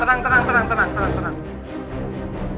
tenang tenang tenang